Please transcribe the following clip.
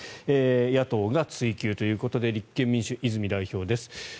野党が追及ということで立憲民主党の泉代表です。